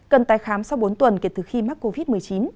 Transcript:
cần tái khám sau bốn tuần kể từ khi mắc covid một mươi chín